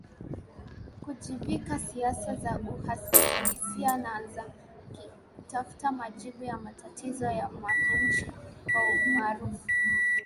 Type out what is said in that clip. kujivika siasa za uhalisia na za kutafuta majibu ya matatizo ya wananchi Kwa umaarufu